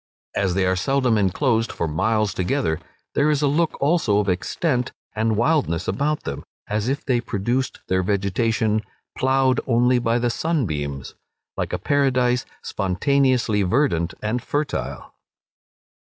As they are seldom enclosed for miles together, there is a look also of extent and wildness about them, as if they produced their vegetation, "ploughed only by the sunbeams," like a paradise spontaneously verdant and fertile.